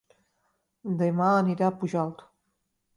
Dema aniré a Pujalt